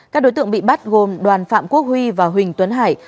các đối tượng bị bắt gồm đoàn phạm quốc huy và huỳnh tuấn hải